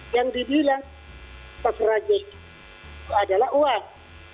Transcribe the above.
yang dibilang pak sirus adalah uang